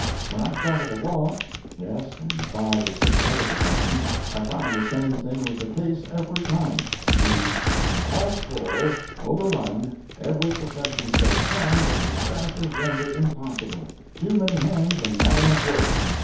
When I thought of the law—yes, and five or six other professions—I found the same thing was the case every time, viz: all full—overrun—every profession so crammed that success is rendered impossible—too many hands and not enough work.